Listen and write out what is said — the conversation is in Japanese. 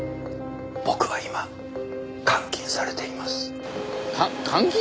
僕は今監禁されています。